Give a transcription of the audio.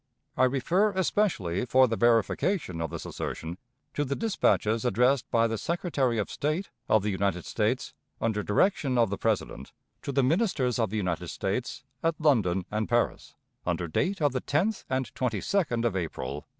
I refer especially for the verification of this assertion to the dispatches addressed by the Secretary of State of the United States, under direction of the President, to the Ministers of the United States at London and Paris, under date of the 10th and 22d of April, 1861.